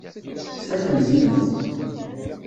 Tfakemt-iyi-t.